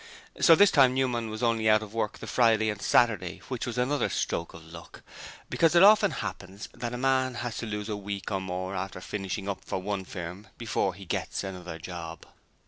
So this time Newman was only out of work the Friday and Saturday, which was another stroke of luck, because it often happens that a man has to lose a week or more after 'finishing up' for one firm before he gets another 'job'.